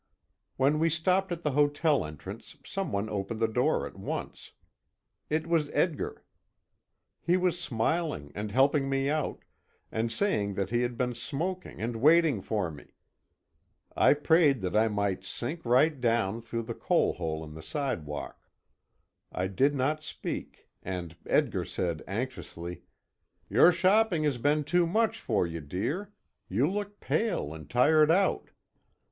When we stopped at the hotel entrance some one opened the door at once. It was Edgar. He was smiling and helping me out, and saying that he had been smoking and waiting for me. I prayed that I might sink right down through the coal hole in the sidewalk. I did not speak, and Edgar said, anxiously: "Your shopping has been too much for you, dear. You look pale and tired out!"